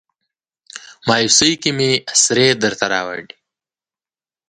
مایوسۍ کې مې اسرې درته راوړي